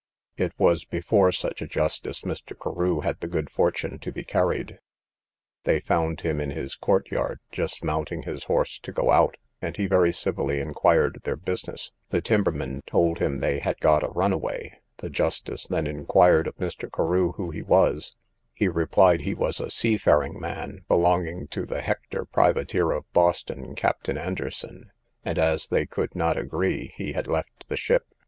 It was before such a justice Mr. Carew had the good fortune to be carried: they found him in his court yard, just mounting his horse to go out, and he very civilly inquired their business; the timbermen told him they had got a runaway: the justice then inquired of Mr. Carew who he was: he replied he was a sea faring man, belonging to the Hector privateer of Boston, captain Anderson, and as they could not agree, he had left the ship.